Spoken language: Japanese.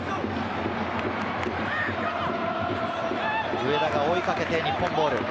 上田が追いかけて日本ボール。